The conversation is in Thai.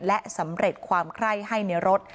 และสำเร็จความไคร้ให้ในรถ